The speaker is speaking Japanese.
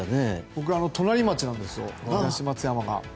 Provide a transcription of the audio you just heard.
僕隣町なんですよ、東松山が。